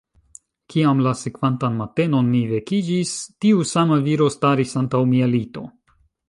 Kiam la sekvantan matenon mi vekiĝis, tiu sama viro staris antaŭ mia lito.